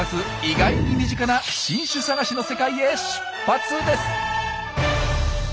意外に身近な新種探しの世界へ出発です！